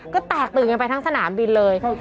ก็แตกตื่นกันไปทั้งสนามบินเลย